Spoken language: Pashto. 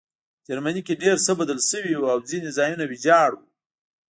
جرمني کې ډېر څه بدل شوي وو او ځینې ځایونه ویجاړ وو